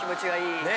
ねえ。